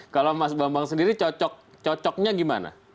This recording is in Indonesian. kalau mas bambang sendiri cocoknya gimana